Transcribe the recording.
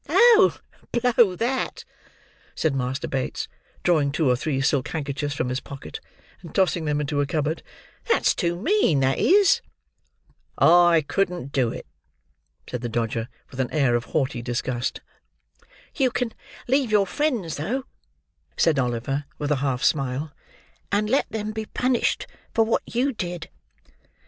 "Oh, blow that!" said Master Bates: drawing two or three silk handkerchiefs from his pocket, and tossing them into a cupboard, "that's too mean; that is." "I couldn't do it," said the Dodger, with an air of haughty disgust. "You can leave your friends, though," said Oliver with a half smile; "and let them be punished for what you did."